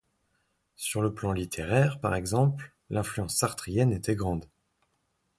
Sur le plan littéraire, par exemple, l'influence sartrienne était grande.